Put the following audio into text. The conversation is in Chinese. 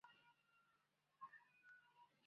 本页面记叙欧洲移民危机的主要事件。